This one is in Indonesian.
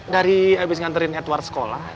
dari abis nganterin edward sekolah